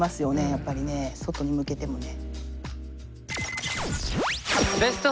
やっぱりね外に向けてもね。